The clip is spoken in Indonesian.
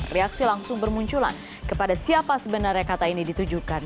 reaksi langsung bermunculan kepada siapa sebenarnya kata ini ditujukan